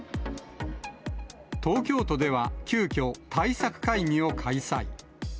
東京都では急きょ、対策会議を開催。